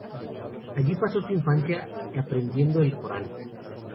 Allí pasó su infancia aprendiendo el Corán.